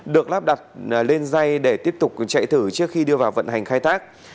được lắp đặt lên dây để tiếp tục chạy thử trước khi đưa vào vận hành khai thác